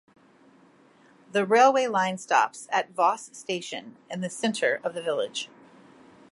The railway line stops at Voss Station in the centre of the village.